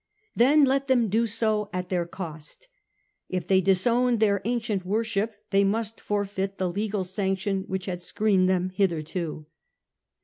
Then let them do so at their cost. If they disowned their ancient worship, they must forfeit the legal sanction which had screened them hitherto.